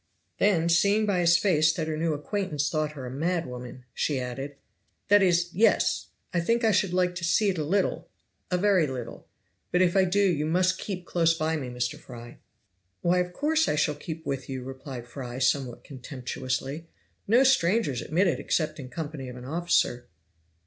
Then, seeing by his face that her new acquaintance thought her a madwoman, she added: "That is, yes! I think I should like to see it a little a very little but if I do you must keep close by me, Mr. Fry." "Why of course I shall keep with you," replied Fry somewhat contemptuously. "No strangers admitted except in company of an officer."